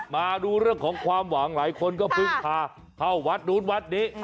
มาดูเรื่องของความหวังหลายคนก็เพิ่งพาเข้าวัดนู้นวัดนี้